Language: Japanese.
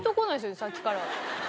さっきから。